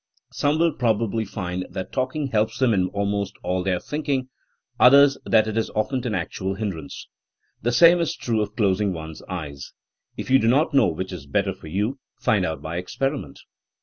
Some will probably find that talking helps them in almost all their thinking, others that it is often an actual hindrance. The same is true of closing one^s eyes. If you do not know which is better for you, find out by experiment.